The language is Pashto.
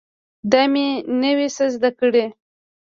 دا مې نوي څه زده کړي